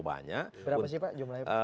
banyak berapa sih pak jumlahnya